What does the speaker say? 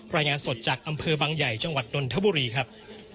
รายงานสดจากอำเภอบางใหญ่จังหวัดนนทบุรีครับ